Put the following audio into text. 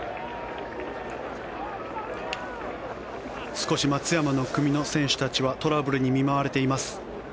少し松山の組の選手たちはトラブルに見舞われています。